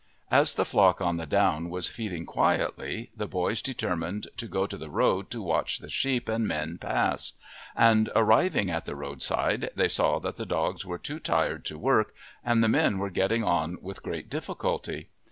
As the flock on the down was feeding quietly the boys determined to go to the road to watch the sheep and men pass, and arriving at the roadside they saw that the dogs were too tired to work and the men were getting on with great difficulty.